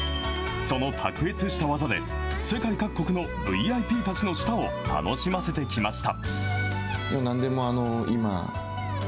その卓越した技で、世界各国のＶＩＰたちの舌を楽しませてきました。